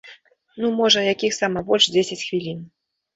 Ну, можа, якіх сама больш дзесяць хвілін.